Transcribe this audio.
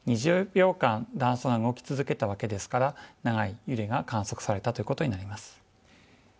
２０秒間断層が動き続けたわけですから長い揺れが観測されたということがあります。